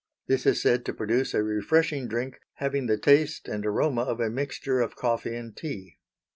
This is said to produce a refreshing drink having the taste and aroma of a mixture of coffee and tea.